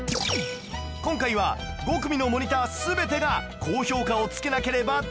今回は５組のモニター全てが高評価をつけなければダメ